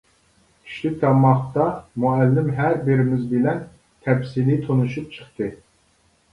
چۈشلۈك تاماقتا مۇئەللىم ھەر بىرىمىز بىلەن تەپسىلىي تونۇشۇپ چىقتى.